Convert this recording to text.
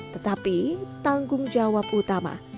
tetapi tanggung jawab utama